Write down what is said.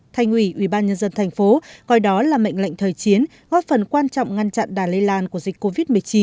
thành ủy ủy ban nhân dân tp gọi đó là mệnh lệnh thời chiến góp phần quan trọng ngăn chặn đà lây lan của dịch covid một mươi chín